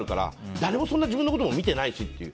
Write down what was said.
誰もそんな、自分のことを見てないしっていう。